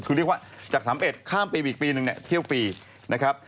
คือเรียกว่าจาก๓๑ข้ามปีไปอีกปีนึงเนี่ยเที่ยวฟรีนะครับ